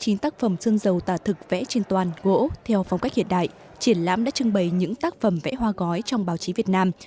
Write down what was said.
trên tác phẩm sơn dầu tà thực vẽ trên toàn gỗ theo phong cách hiện đại triển lãm đã trưng bày những tác phẩm vẽ hoa gói trong báo chí việt nam